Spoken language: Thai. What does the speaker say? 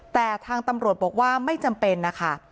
แต่ทางตำรวจบอกว่าไม่จำเป็นนะคะ